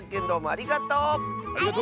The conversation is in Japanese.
ありがとう！